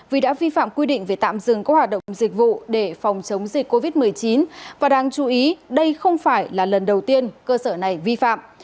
vì đã vi phạm quy định về tạm dừng các hoạt động dịch vụ để phòng chống dịch covid một mươi chín và đáng chú ý đây không phải là lần đầu tiên cơ sở này vi phạm